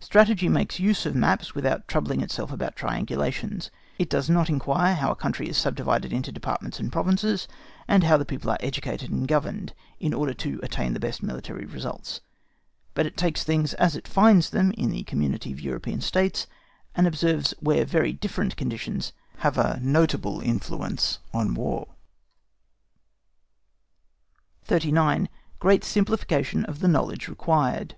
Strategy makes use of maps without troubling itself about triangulations; it does not inquire how the country is subdivided into departments and provinces, and how the people are educated and governed, in order to attain the best military results; but it takes things as it finds them in the community of European States, and observes where very different conditions have a notable influence on War. 39. GREAT SIMPLIFICATION OF THE KNOWLEDGE REQUIRED.